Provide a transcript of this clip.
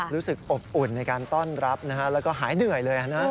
รู้สึกอบอุ่นในการต้อนรับนะฮะแล้วก็หายเหนื่อยเลยนะ